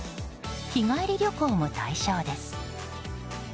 日帰り旅行も対象です。